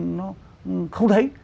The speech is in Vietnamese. nó không thấy